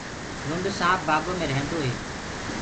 لُنڊ سآنپ بآگو مي رهيندو هي۔